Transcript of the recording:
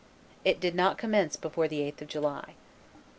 It did not commence before the 8th of July.